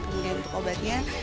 kemudian untuk obatnya